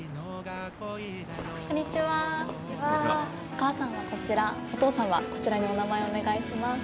お母さんはこちらお父さんはこちらにお名前をお願いします。